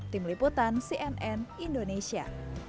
tim liputan cnn indonesia